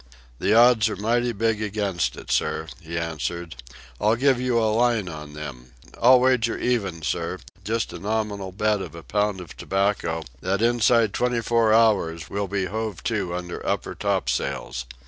"The odds are mighty big against it, sir," he answered. "I'll give you a line on them. I'll wager even, sir, just a nominal bet of a pound of tobacco, that inside twenty four hours we'll be hove to under upper topsails.